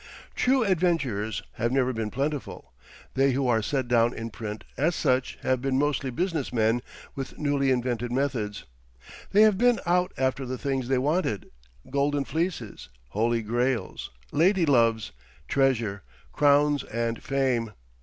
True adventurers have never been plentiful. They who are set down in print as such have been mostly business men with newly invented methods. They have been out after the things they wanted—golden fleeces, holy grails, lady loves, treasure, crowns and fame.